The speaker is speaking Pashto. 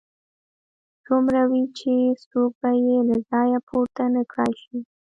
دومره وي چې څوک به يې له ځايه پورته نه کړای شي.